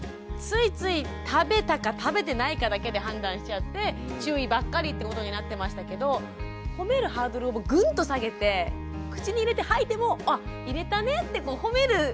ついつい食べたか食べてないかだけで判断しちゃって注意ばっかりってことになってましたけどほめるハードルをぐんと下げて口に入れて吐いても「あ入れたね」ってほめる。